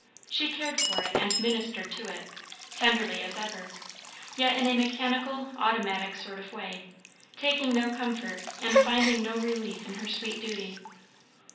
She cared for it and ministered to it, tenderly as ever, yet in a mechanical, automatic sort of way, taking no comfort and finding no relief in her sweet duty.